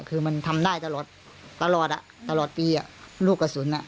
คือมันทำได้ตลอดตลอดอ่ะตลอดปีอ่ะลูกกระสุนอ่ะ